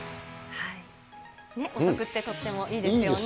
お得ってとってもいいですよね。